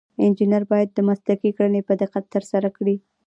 انجینر باید مسلکي کړنې په دقت ترسره کړي.